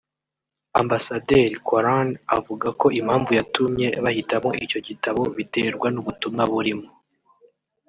Ambasaderi Koran avuga ko impamvu yatumye bahitamo icyo gitabo biterwa n’ubutumwa burimo